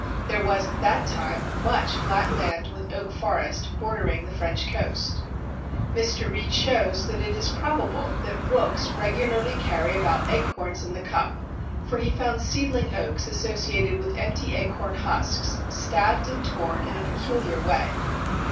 There was at that time much flat land with oak forest bordering the French coast. Mr. Reid shows that it is probable that rooks regularly carry about acorns in the cup, for he found seedling oaks associated with empty acorn husks, stabbed and torn in a peculiar way.